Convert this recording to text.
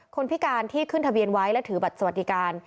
พิการที่ขึ้นทะเบียนไว้และถือบัตรสวัสดิการ